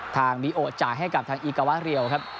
ทางบิโอจ่ายให้กับทางอีกาวะเรียวครับ